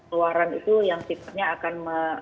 keluaran itu yang tipe nya akan